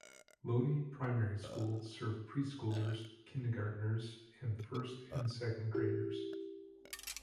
Lodi Primary School served preschoolers, kindergarteners, and first and second graders.